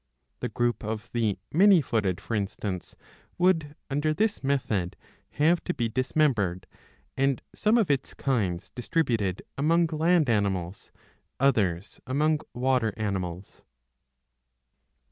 The group of the Many footed, for instance, would, under this method, have to be dismembered, and some of its kinds distributed among land animals, others among water animals.